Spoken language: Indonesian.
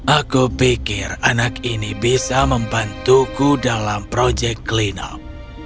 aku pikir anak ini bisa membantuku dalam proyek cleanup